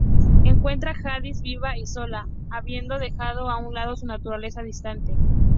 Encuentran a Jadis viva y sola, habiendo dejado a un lado su naturaleza distante.